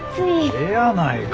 えやないか。